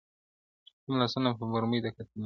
كوم لاسونه به مرۍ د قاتل نيسي-